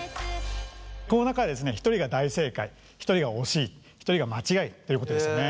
この中でですね一人が大正解一人が惜しい一人が間違いということでしたね。